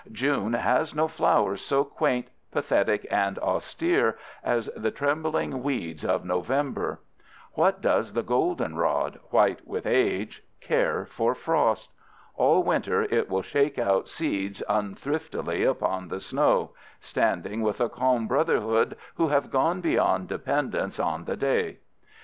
June has no flowers so quaint, pathetic, and austere as the trembling weeds of November. What does the goldenrod, white with age, care for frost? All winter it will shake out seeds unthriftily upon the snow, standing with a calm brotherhood who have gone beyond dependence on the day.